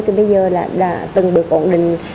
từ bây giờ là đã từng được ổn định